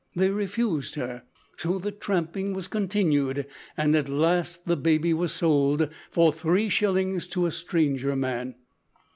They refused her, so the tramping was continued, and at last baby was sold for three shillings to a stranger man.